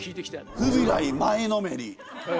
フビライ前のめり。